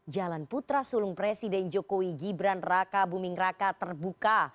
jalan putra sulung presiden jokowi gibran raka buming raka terbuka